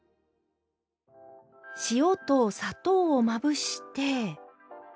塩と砂糖をまぶして。